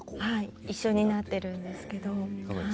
一緒になってるんですけど。